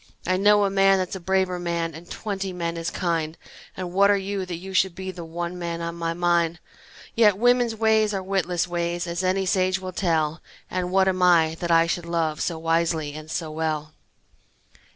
I know a man that's a braver man And twenty men as kind, And what are you, that you should be The one man on my mind? Yet women's ways are witless ways, As any sage will tell, And what am I, that I should love So wisely and so well?